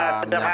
ya ada mana aja